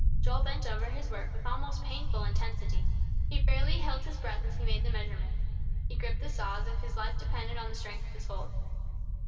Joel bent over his work with almost painful intensity. He fairly held his breath, as he made the measurements. He gripped the saw as if his life depended on the strength of his hold.